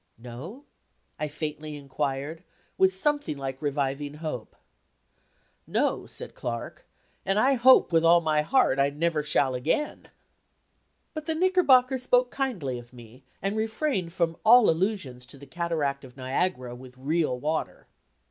"No?" I faintly inquired, with something like reviving hope. "No," said Clark, "and I hope, with all my heart, I never shall again." But the Knickerbocker spoke kindly of me, and refrained from all allusions to "the Cataract of Niagara, with real water."